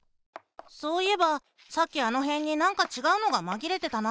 そういえばさっきあのへんになんかちがうのがまぎれてたな。